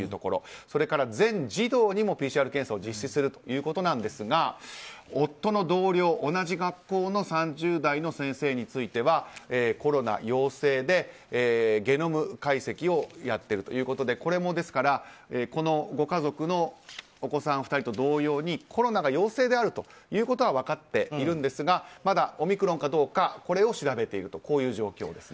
それから全児童にもＰＣＲ検査を実施するということですが夫の同僚、同じ学校の３０代の先生についてはコロナ陽性でゲノム解析をやっているということでこれも、このご家族のお子さん２人と同様にコロナが陽性であるということは分かっていますがまだ、オミクロンかどうか調べているという状況です。